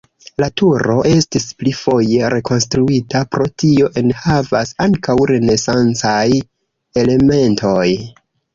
La turo estis pli foje rekonstruita, pro tio enhavas ankaŭ renesancaj elementoj.